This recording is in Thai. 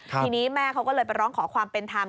ทีนี้แม่เขาก็เลยไปร้องขอความเป็นธรรม